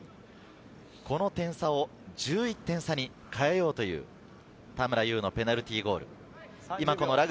この点差を１１点差に変えようという田村優のペナルティーゴール。